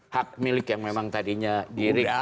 hak milik yang memang tadinya diri